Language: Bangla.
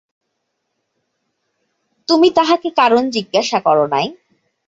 তুমি তাহাকে কারণ জিজ্ঞাসা কর নাই?